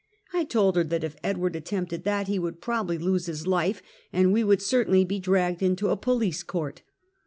I told her that if Edward attempted that, he would probably lose his life, and we would certainly be dragged into a police court.